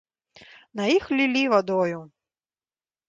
На іх лілі вадою.